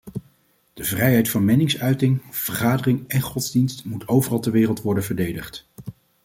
De vrijheid van meningsuiting, vergadering en godsdienst moet overal ter wereld worden verdedigd.